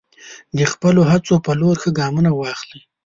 د خپلو هڅو په لور ښه ګامونه واخلئ.